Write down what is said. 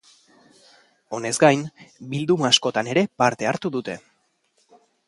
Honez gain, bilduma askotan ere parte hartu dute.